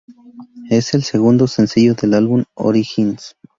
Es el segundo sencillo del álbum "Origins".